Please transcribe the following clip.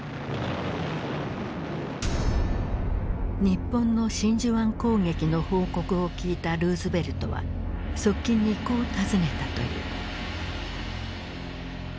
日本の真珠湾攻撃の報告を聞いたルーズベルトは側近にこう尋ねたという。